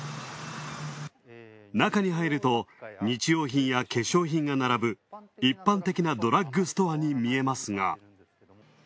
中に入ると日用品や化粧品が並ぶ一般的なドラッグストアに見えますが。